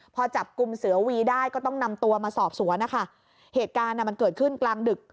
พอจับกลุ่มเสือวีได้ก็ต้องนำตัวมาสอบสวนนะคะเหตุการณ์อ่ะมันเกิดขึ้นกลางดึก